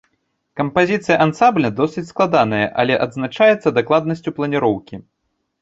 Кампазіцыя ансамбля досыць складаная, але адзначаецца дакладнасцю планіроўкі.